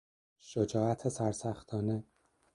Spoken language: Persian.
شجاعت سرسختانه